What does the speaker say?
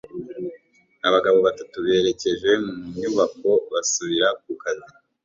Abagabo batatu berekeje mu nyubako basubira ku kazi